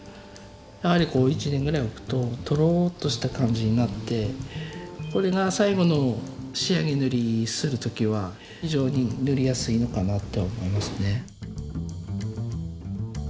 やはり１年ぐらい置くととろっとした感じになってこれが最後の仕上げ塗りする時は非常に塗りやすいのかなって思いますね。